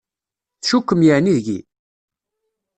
Tcukkem yeɛni deg-i?